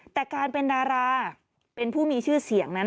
แต่การเป็นดาราเป็นผู้มีชื่อเสียงนั้น